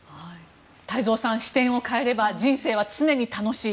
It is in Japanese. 太蔵さん、視点を変えれば人生は常に楽しい。